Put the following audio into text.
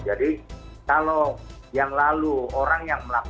jadi kalau yang lalu orang yang menangani ini